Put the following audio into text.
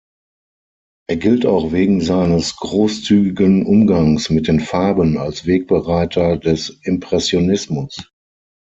Er gilt auch wegen seines großzügigen Umgangs mit den Farben als Wegbereiter des Impressionismus.